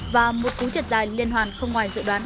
và một cú chật dài liên hoàn không ngoài dự đoán